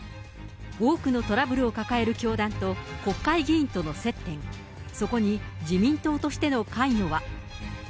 多くのトラブルを抱える教団と国会議員との接点、そこに自民党としての関与は。